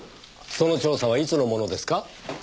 その調査はいつのものですか？